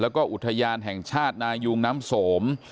แล้วก็อุทยานแห่งชาตินายุงน้ำสม